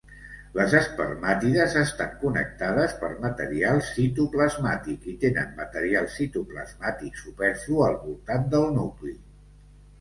Les espermàtides estan connectades per material citoplasmàtic i tenen material citoplasmàtic superflu al voltant del nucli.